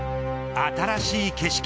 新しい景色